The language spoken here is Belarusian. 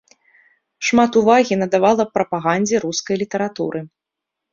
Шмат увагі надавала прапагандзе рускай літаратуры.